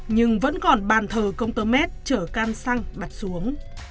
nhưng vẫn còn bàn thờ công tơ mét chở can xăng bật xuống